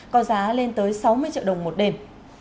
có giá lên tới sáu mươi triệu đồng một đêm